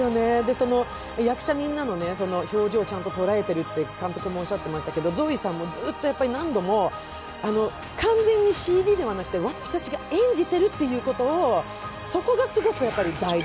その役者みんなの表情を捉えていると言ってましたけどゾーイさんもずっと何度も、完全にＣＧではなくて、私たちが演じているということ、そこがすごく大事。